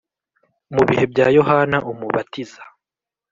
Mu bihe bya Yohana Umubatiza